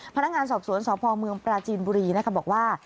พนักงานสอบสวนสพเมืองปราจีนบุรีนะคะบอกว่า